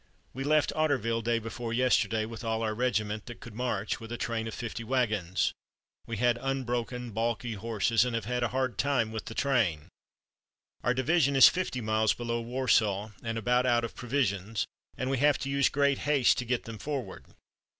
"We left Otterville day before yesterday with all our regiment that could march, with a train of fifty wagons. We had unbroken, balky horses, and have had a hard time with the train. Our division is fifty miles below Warsaw, and about out of provisions, and we have to use great haste to get them forward.